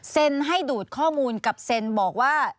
ให้ดูดข้อมูลกับเซ็นบอกว่า